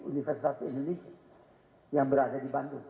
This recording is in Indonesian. universitas indonesia yang berada di bandung